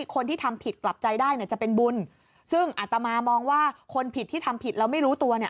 คนที่ทำผิดกลับใจได้เนี่ยจะเป็นบุญซึ่งอัตมามองว่าคนผิดที่ทำผิดแล้วไม่รู้ตัวเนี่ย